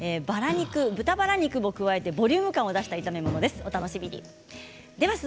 豚バラ肉も加えてボリューム感を出した炒め物です。